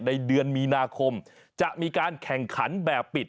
ในเดือนมีนาคมจะมีการแข่งขันแบบปิด